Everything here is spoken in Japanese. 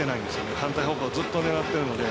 反対方向をずっと狙ってるので。